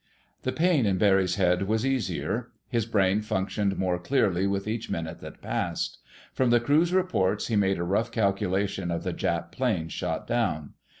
The pain in Barry's head was easier. His brain functioned more clearly with each minute that passed. From the crew's reports he made a rough calculation of the Jap planes shot down.